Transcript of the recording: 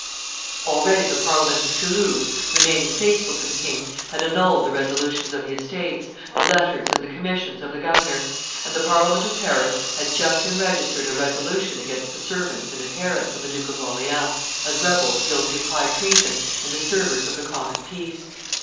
Already the Parliament of Toulouse, remaining faithful to the king, had annulled the resolutions of the Estates, the letters and commissions of the governor; and the Parliament of Paris had just enregistered a resolution against the servants and adherents of the Duke of Orleans, as rebels guilty of high treason and disturbers of the common peace.